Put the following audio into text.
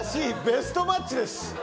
ベストマッチです。